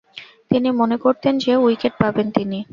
তিনি মনে করতেন যে, উইকেট পাবেন তিনি।